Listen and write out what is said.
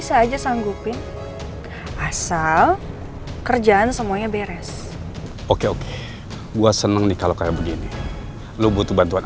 saya aja sanggupin asal kerjaan semuanya beres oke oke gue seneng nih kalau kayak begini lo butuh bantuan